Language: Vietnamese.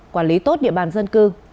quản lý tốt địa bàn dân cư